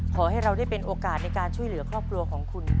ขอให้เราได้เป็นโอกาสในการช่วยเหลือครอบครัวของคุณ